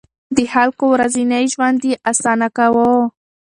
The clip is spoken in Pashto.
د خلکو ورځنی ژوند يې اسانه کاوه.